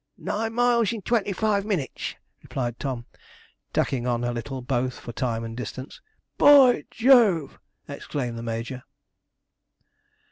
'Nine miles in twenty five minutes,' replied Tom, tacking on a little both for time and distance. 'B o y JOVE!' exclaimed the major.